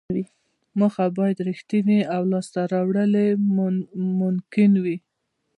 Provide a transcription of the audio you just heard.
موخه باید ریښتینې او لاسته راوړل یې ممکن وي.